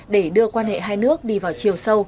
để đưa quan hệ hai nước đi vào chiều sâu